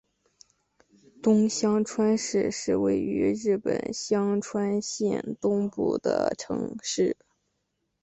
东香川市是位于日本香川县东部的城市。